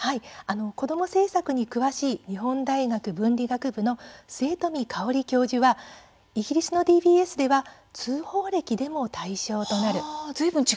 子ども政策に詳しい日本大学文理学部の末冨芳教授はイギリスのＤＢＳでは通報歴でも対象となる。